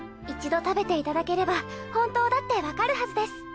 一度食べていただければ本当だってわかるはずです。